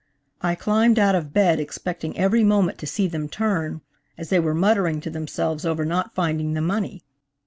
I climbed out of bed expecting every moment to see them turn, as they were muttering to themselves over not finding the money.